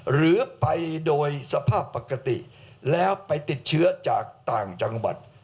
หรือไปโดยสภาพปกติแล้วไปติดเชื้อจากต่างจังหวัด